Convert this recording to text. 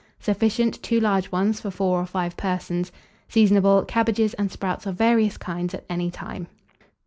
Sufficient, 2 large ones for 4 or 5 persons. Seasonable. Cabbages and sprouts of various kinds at any time.